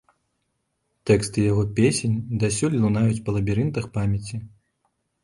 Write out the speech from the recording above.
Тэксты яго песень дасюль лунаюць па лабірынтах памяці.